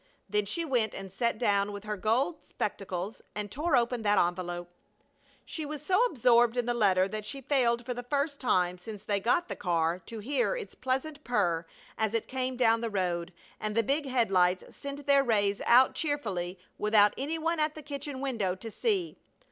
Then she went and sat down with her gold spectacles and tore open that envelope. She was so absorbed in the letter that she failed for the first time since they got the car to hear its pleasant purr as it came down the road, and the big head lights sent their rays out cheerfully without any one at the kitchen window to see.